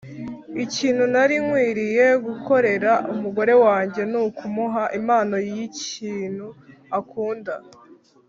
Ikintu nari nkwiriye gukorera umugore wanjye nukumuha impano yikintu akunda